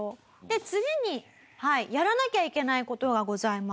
次にやらなきゃいけない事がございます。